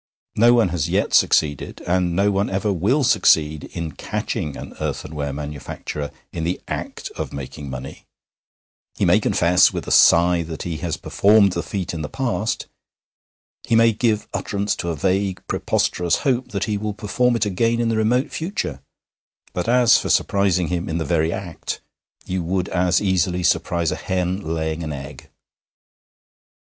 No one has yet succeeded, and no one ever will succeed, in catching an earthenware manufacturer in the act of making money; he may confess with a sigh that he has performed the feat in the past, he may give utterance to a vague, preposterous hope that he will perform it again in the remote future, but as for surprising him in the very act, you would as easily surprise a hen laying an egg.